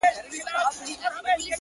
گلابي شونډي يې د بې په نوم رپيږي.